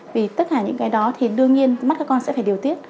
vì tất cả những cái đó thì đương nhiên mắt các con sẽ phải điều tiết